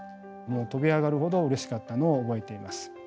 もう跳び上がるほどうれしかったのを覚えています。